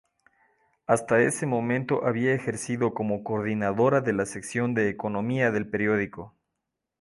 Hasta ese momento había ejercido como coordinadora de la sección de Economía del periódico.